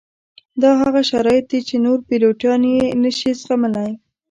دا هغه شرایط دي چې نور پیلوټان یې نه شي زغملی